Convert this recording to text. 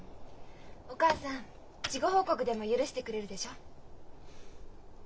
お母さん事後報告でも許してくれるでしょ？